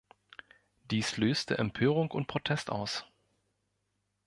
Dies löste Empörung und Protest aus.